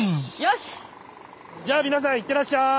じゃあ皆さん行ってらっしゃい！